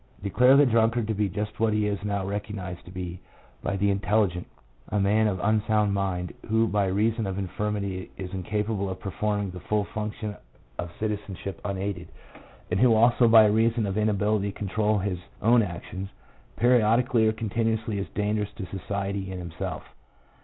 Declare the drunkard to be just what he is now recognized to be by the intelli gent — a man of unsound mind, who by reason of infirmity is incapable of performing the full function of citizenship unaided ; and who also by reason of inability to control his own actions, periodically or continuously, is dangerous to society and himself.